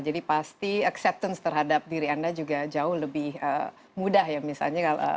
jadi pasti acceptance terhadap diri anda juga jauh lebih mudah ya misalnya